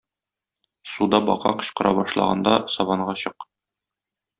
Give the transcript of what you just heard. Суда бака кычкыра башлаганда сабанга чык.